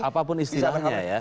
apapun istilahnya ya